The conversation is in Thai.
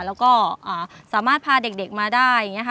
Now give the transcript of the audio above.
แล้วก็สามารถพาเด็กมาได้อย่างนี้ค่ะ